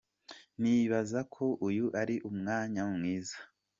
Nibaza ko uyu ari umwanya mwiza".